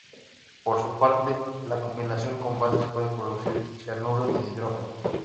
Por su parte, la combinación con bases puede producir cianuro de hidrógeno.